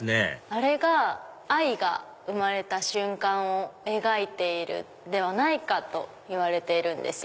あれが愛が生まれた瞬間を描いているんではないかといわれているんですよ。